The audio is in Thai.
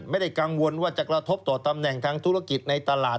ไม่ได้กังวลว่าจะกระทบต่อตำแหน่งทางธุรกิจในตลาด